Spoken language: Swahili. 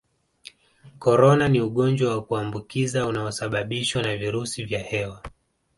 Corona ni ugonjwa wa kuambukiza unaosababishwa na virusi vya hewa